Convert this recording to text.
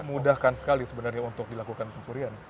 mudahkan sekali sebenarnya untuk dilakukan pencurian